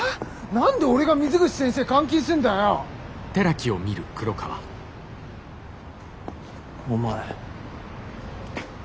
何で俺が水口先生監禁すんだよ。お前。